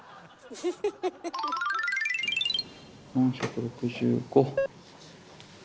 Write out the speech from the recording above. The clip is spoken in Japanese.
４６５。